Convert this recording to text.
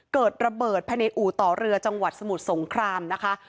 เกิดระเบิดภายในอู่ต่อเรือจังหวัดสมุทรสงครามนะคะ